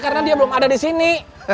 karena dia belum ada di sini